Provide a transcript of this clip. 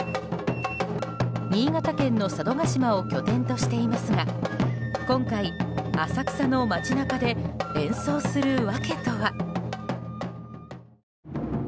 新潟県の佐渡島を拠点としていますが今回、浅草の街中で演奏する訳とは。